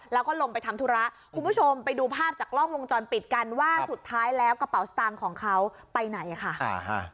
แล้วก็ลงไปทำธุระคุณผู้ชมไปดูภาพจากกล้องวงจรปิดกันว่าสุดท้ายแล้วกระเป๋าสตางค์ของเขาไปไหนค่ะ